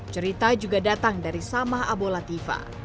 cerita juga datang dari samah abolativa